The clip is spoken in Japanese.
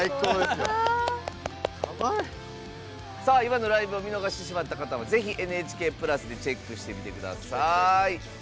さあ今のライブを見逃してしまった方はぜひ「ＮＨＫ＋」でチェックしてみてください。